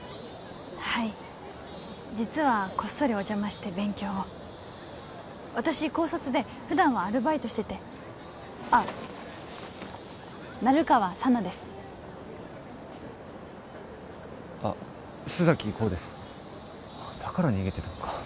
はい実はこっそりお邪魔して勉強を私高卒で普段はアルバイトしててあっ成川佐奈ですあっ須崎功ですだから逃げてたのか